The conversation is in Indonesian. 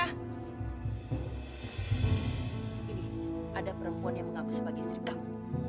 ini ada perempuan yang mengaku sebagai istri kamu